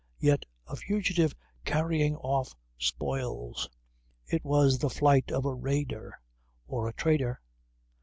Yet a fugitive carrying off spoils. It was the flight of a raider or a traitor?